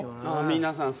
皆さん